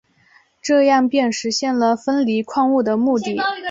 这样便实现了分离矿物的目的。